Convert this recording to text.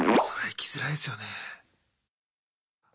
そら行きづらいですよね。